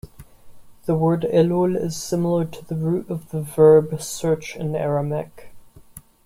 The word “Elul” is similar to the root of the verb “search” in Aramaic.